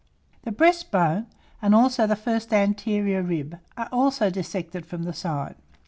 The breast bone, and also the first anterior rib, are also dissected from the side.